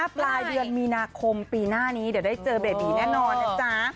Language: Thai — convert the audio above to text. ปลายเดือนมีนาคมปีหน้านี้เดี๋ยวได้เจอเบบีแน่นอนนะจ๊ะ